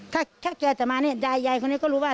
ถ้าแกจะมาเนี่ยยายยายคนนี้ก็รู้ว่า